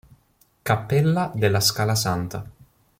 Cappella della Scala Santa